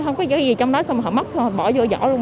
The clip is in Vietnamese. không có gì trong đó xong rồi họ móc xong rồi bỏ vô giỏ luôn